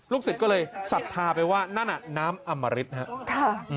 ลูกศิษฐ์ก็เลยศรัทธาไปว่านั่นน้ำอำมริษฐ์